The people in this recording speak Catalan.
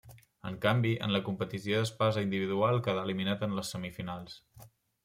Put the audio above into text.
En canvi en la competició d'espasa individual quedà eliminat en les semifinals.